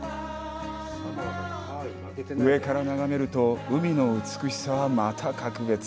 上から眺めると、海の美しさはまた格別。